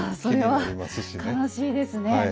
それは悲しいですね。